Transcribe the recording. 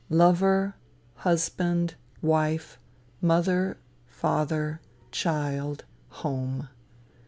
Lover husband wife mother father child home!